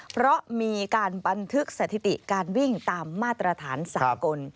เพราะมีการบันทึกสถิติการวิ่งตามมาตรฐานสากล